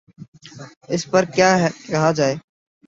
اس پہ کیا کہا جائے؟